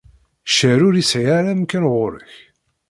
Ccer ur isɛi ara amkan ɣur-k.